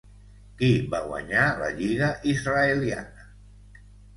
Qui va guanyar la lliga israeliana?